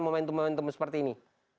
momentum momentum seperti ini